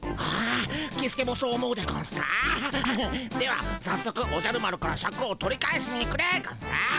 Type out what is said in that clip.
はさっそくおじゃる丸からシャクを取り返しに行くでゴンス。